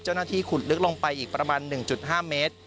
เจ้าหน้าที่ขุดลึกลงไปอีกประมาณ๑๕เมตร